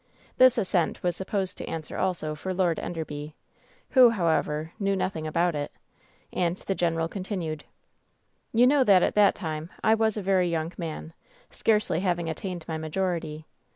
This assent was supposed to answer also for Lord Enderby — who, however, knew nothing about it — and the general continued: "You know that at that time I was a very young man, scarcely having attained my majority.